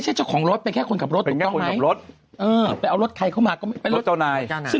ใช่ของรถเป็นแค่คนกับรถรถเออรถใครเข้ามารถเจ้านายซึ่ง